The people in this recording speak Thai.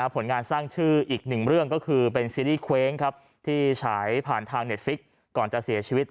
ผลงานสร้างชื่ออีกหนึ่งเรื่องก็คือเป็นซีรีส์เคว้งครับที่ฉายผ่านทางเน็ตฟิกก่อนจะเสียชีวิต